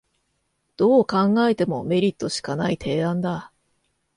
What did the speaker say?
どう考えてもメリットしかない提案だ